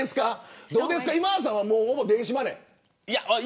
今田さんはもうほぼ電子マネーですか。